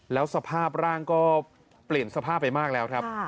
แล้วสภาพร่างก็เปลี่ยนสภาพไปมากแล้วครับ